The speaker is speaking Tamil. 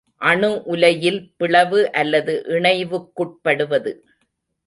அணு உலையில் பிளவு அல்லது இணைவுக்குட்படுவது.